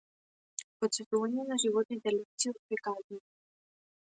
Потсетување на животните лекции од приказните